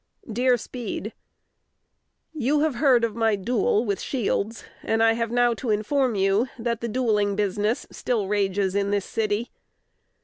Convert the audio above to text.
Dear Speed, You have heard of my duel with Shields, and I have now to inform you that the duelling business still rages in this city.